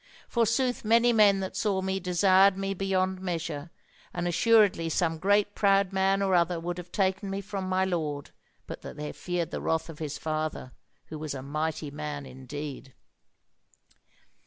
Forsooth many men that saw me desired me beyond measure, and assuredly some great proud man or other would have taken me from my lord, but that they feared the wrath of his father, who was a mighty man indeed.